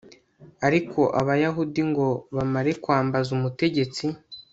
ariko abayahudi ngo bamare kwambaza umutegetsi